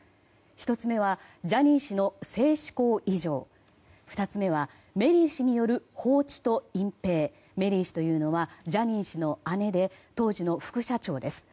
１つ目はジャニー氏の性嗜好異常２つ目は、メリー氏による放置と隠ぺいメリー氏というのはジャニー氏の姉で、当時の副社長です。